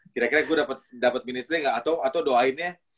kira kira gue dapet minitling atau doainnya